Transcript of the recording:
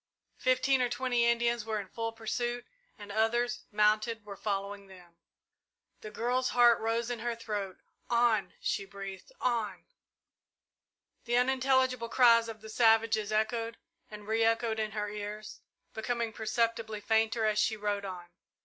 Fifteen or twenty Indians were in full pursuit and others, mounted, were following them. The girl's heart rose in her throat. "On!" she breathed "on!" The unintelligible cries of the savages echoed and re echoed in her ears, becoming perceptibly fainter as she rode on.